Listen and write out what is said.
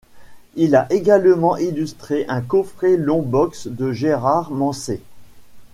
Il a également illustré un coffret long box de Gérard Manset.